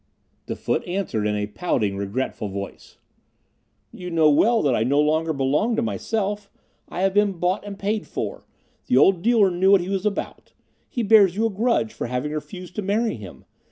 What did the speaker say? The foot answered in a pouting, regretful voice: "You know well that I no longer belong to myself. I have been bought and paid for; the old dealer knew what he was about. He bears you a grudge for having refused to marry him.